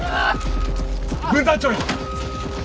分団長や！